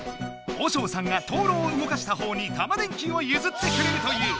和尚さんがとうろうをうごかしたほうにタマ電Ｑをゆずってくれるという。